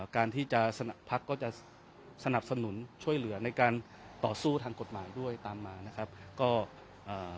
การที่จะสนับพักก็จะสนับสนุนช่วยเหลือในการต่อสู้ทางกฎหมายด้วยตามมานะครับก็เอ่อ